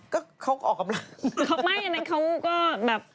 ก็ไม่อย่างนั้นเขาก็แบบ